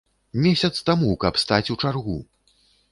Месяц таму, каб стаць у чаргу!